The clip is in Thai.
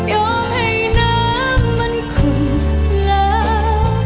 ยอมให้น้ำมันขุ่นแล้ว